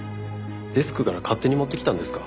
デスクから勝手に持ってきたんですか？